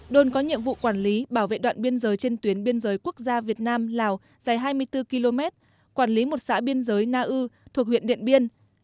đồn có nhiệm vụ quản lý bảo vệ đoạn biên giới trên tuyến biên giới quốc gia việt nam lào dài hai mươi bốn km quản lý một xã biên giới na ư thuộc huyện điện biên